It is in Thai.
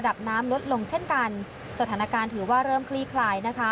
น้ำลดลงเช่นกันสถานการณ์ถือว่าเริ่มคลี่คลายนะคะ